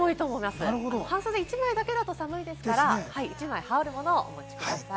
半袖１枚だと寒いですから、羽織るものをお持ちください。